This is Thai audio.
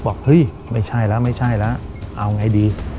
บอกเฮ้ยไม่ใช่แล้วไม่ใช่แล้วเอาไงดี